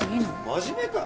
真面目か！